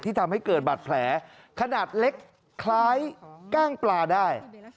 ทำให้เกิดบาดแผลขนาดเล็กคล้ายกล้างปลาได้